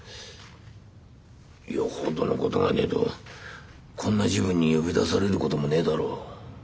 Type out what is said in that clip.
よほどのことがねえとこんな時分に呼び出されることもねえだろう。